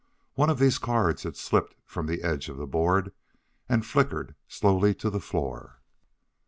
One of these cards had slipped from the edge of the board and flickered slowly to the floor.